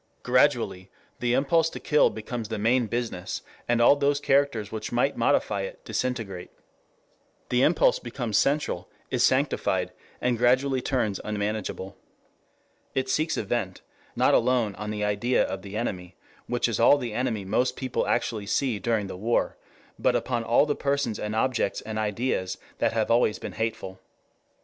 Gradually the impulse to kill becomes the main business, and all those characters which might modify it, disintegrate. The impulse becomes central, is sanctified, and gradually turns unmanageable. It seeks a vent not alone on the idea of the enemy, which is all the enemy most people actually see during the war, but upon all the persons and objects and ideas that have always been hateful.